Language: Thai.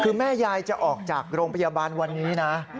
คือแม่ยายจะออกจากโรงพยาบาลวันนี้นะ